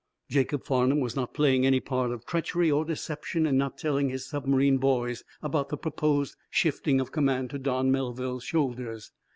Jacob Farnum was not playing any part of treachery, or deception, in not telling his submarine boys about the proposed shifting of command to Don Melville's shoulders.